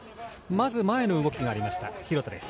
まず前の動きがありました廣田です。